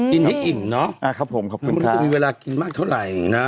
กินให้อิ่มเนอะอ่าครับผมขอบคุณค่ะมันก็จะมีเวลากินมากเท่าไหร่น่ะ